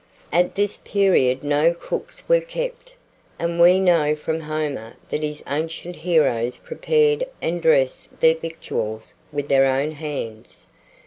At this period no cooks were kept, and we know from Homer that his ancient heroes prepared and dressed their victuals with their own hands.